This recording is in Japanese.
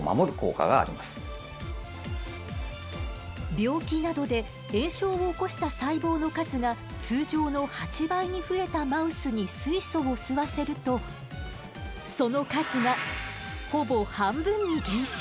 病気などで炎症を起こした細胞の数が通常の８倍に増えたマウスに水素を吸わせるとその数がほぼ半分に減少。